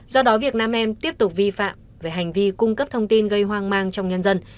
do đó việc nam em tiếp tục vi phạm về hành vi cung cấp thông tin gây hoang mang trong nhân dân